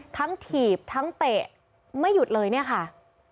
ถีบทั้งเตะไม่หยุดเลยเนี่ยค่ะ